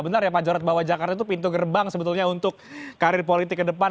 benar ya pak jarod bahwa jakarta itu pintu gerbang sebetulnya untuk karir politik ke depan